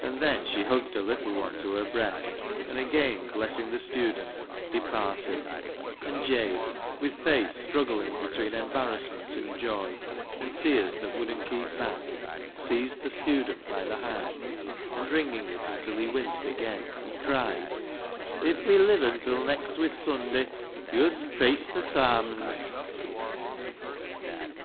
And then she hugged her little one to her breast, and again blessing the student, departed ; and Jabe, with face struggling between em barrassment and joy, and tears that wouldn't keep back, seized the student by the hand, and, wringing it until he winced again, he cried —" If we liven till next Wis sunday, yo'st preich th' Sarmons